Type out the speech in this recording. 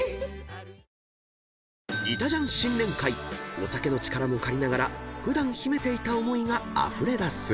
［お酒の力も借りながら普段秘めていた思いがあふれだす］